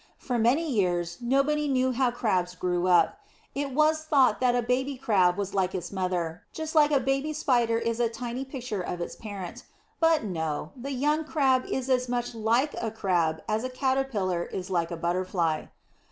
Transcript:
For many years nobody knew how Crabs grew up. It was thought that a baby Crab was like its mother, just as a baby spider is a tiny picture of its parent. But no, the young Crab is as much like a Crab as a caterpillar is like a butterfly.